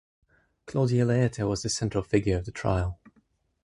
Clodia Laeta was the central figure of the trial.